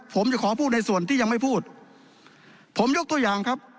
ผมจะขอพูดในส่วนที่ยังไม่พูดผมยกตัวอย่างครับ